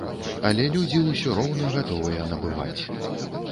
Але людзі ўсё роўна гатовыя набываць.